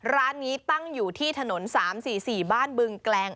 ร้านนี้ตั้งอยู่ที่ถนน๓๔๔บ้านบึงแกลง